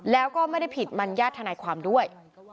แล้วก็ไม่ได้ผิดมัญญาติทนายความด้วย